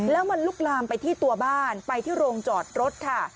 แล้วมันลุกลามไปที่ตัวบ้านไปที่โรงจอดรถค่ะ